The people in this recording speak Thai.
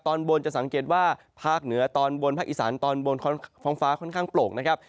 ตอนบนจะสังเกตว่าภาคเหนือตอนบนภาคอีสานตอนบนท้องฟ้าค่อนข้างโปร่งนะครับ